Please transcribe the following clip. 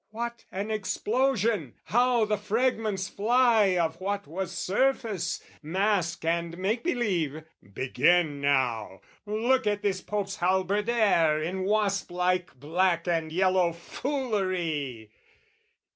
What an explosion, how the fragments fly Of what was surface, mask, and make believe! Begin now, look at this Pope's halberdier In wasp like black and yellow foolery!